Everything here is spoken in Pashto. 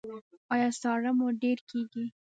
ایا ساړه مو ډیر کیږي؟